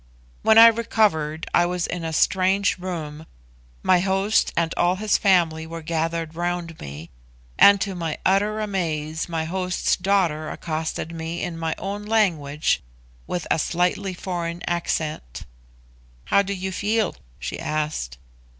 When I recovered I was in a strange room, my host and all his family were gathered round me, and to my utter amaze my host's daughter accosted me in my own language with a slightly foreign accent. "How do you feel?" she asked.